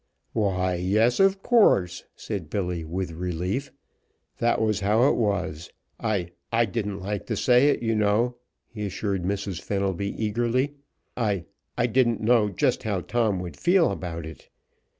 "Why, yes, of course," said Billy, with relief. "That was how it was. I I didn't like to say it, you know," he assured Mrs. Fenelby, eagerly, "I I didn't know just how Tom would feel about it.